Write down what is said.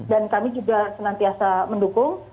dan kami juga senantiasa mendukung